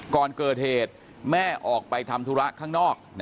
ก่อนเกิดเหตุแม่ออกไปทำธุระข้างนอก